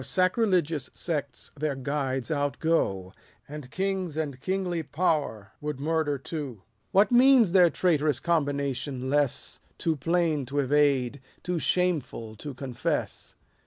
171 Our sacrilegious sects their guides outgo, 203 And kings and kingly power would murder too. What means their traitorous combination less, Too plain to evade, too shameful to confess